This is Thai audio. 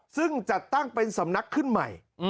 ซึ่งจัดตั้งเป็นสำนักขึ้นใหม่